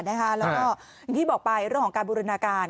แล้วก็อย่างที่บอกไปเรื่องของการบูรณาการ